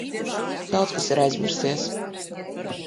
Daudz kas ir aizmirsies.